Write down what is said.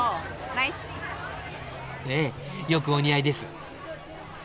ええよくお似合いです。